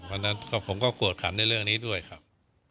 เพราะฉะนั้นผมก็กวดขันในเรื่องนี้ด้วยครับ